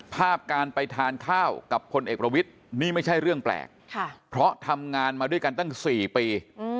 ภาพการไปทานข้าวกับพลเอกประวิทย์นี่ไม่ใช่เรื่องแปลกเพราะทำงานมาด้วยกันตั้ง๔ปี